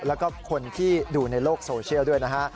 แล้วก็คนที่ดูในโลกโซเชียลด้วยนะฮะ